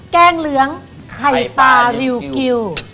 แกงเหลืองไข่ปลาริวกิว